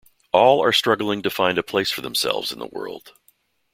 All are struggling to find a place for themselves in the world.